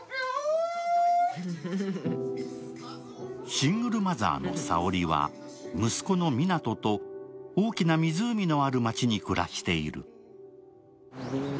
シングルマザーの早織は息子の湊と大きな湖のある街に暮らしている。